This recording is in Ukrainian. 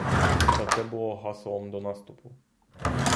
Та це було гаслом до наступу.